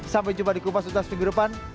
sampai jumpa di kumpas tutas minggu depan